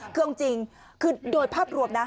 คือเอาจริงคือโดยภาพรวมนะ